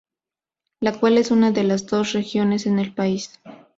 La cual es una de las dos regiones en el país.